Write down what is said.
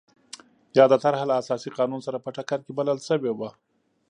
یاده طرحه له اساسي قانون سره په ټکر کې بلل شوې وه.